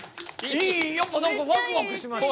やっぱ何かワクワクしました。